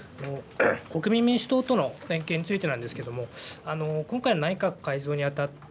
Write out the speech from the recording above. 国民民主党との連携についてなんですけれども、今回の内閣改造に当たって、